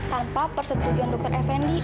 tanpa persetujuan dr effendi